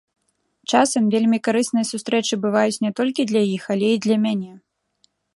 Часам вельмі карысныя сустрэчы бываюць не толькі для іх, але і для мяне.